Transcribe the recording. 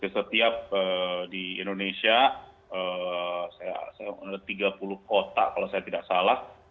setiap di indonesia saya melihat tiga puluh kota kalau saya tidak salah